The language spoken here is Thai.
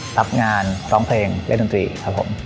รับงานร้องเพลงเล่นดนตรีครับผม